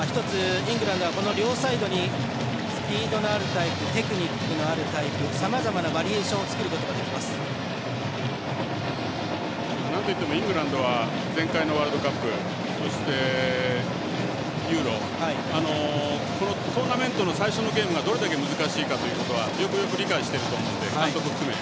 イングランドは両サイドバックにスピードのあるタイプテクニックのあるタイプさまざまなバリエーションをなんといってもイングランドは前回のワールドカップそして、ＥＵＲＯトーナメントの最初のゲームがどれだけ難しいかということはよくよく理解していると思うので監督含めて。